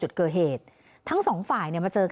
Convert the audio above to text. ทีนี้จากการสืบส่งของตำรวจพวกต้นเนี่ยค่ะ